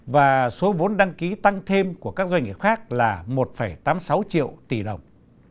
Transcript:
và số vốn đăng ký tăng thêm của các doanh nghiệp khác là một tám mươi sáu triệu tỷ đồng